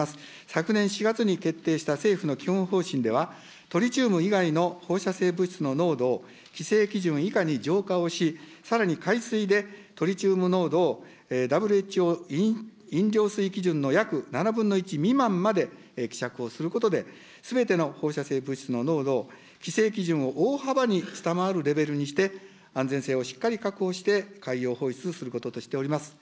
昨年４月に決定した政府の基本方針では、トリチウム以外の放射性物質の濃度を規制基準以下に浄化をし、さらに海水でトリチウム濃度をＷＨＯ飲料水基準の約７分の１未満まで希釈をすることで、すべての放射性物質の濃度を、規制基準を大幅に下回るレベルにして、安全性をしっかり確保して海洋放出することとしております。